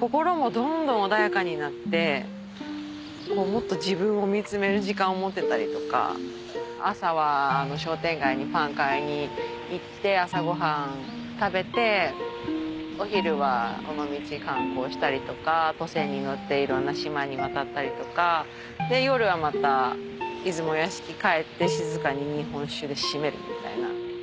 心もどんどん穏やかになってもっと自分を見つめる時間を持てたりとか朝は商店街にパン買いに行って朝ご飯食べてお昼は尾道観光したりとか渡船に乗っていろんな島に渡ったりとか夜はまた出雲屋敷帰って静かに日本酒で締めるみたいな。